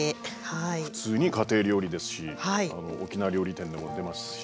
普通に家庭料理ですし沖縄料理店でも出ますし。